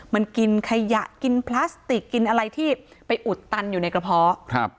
มันกินขยะกินพลาสติกกินอะไรที่ไปอุดตันอยู่ในกระเพาะครับ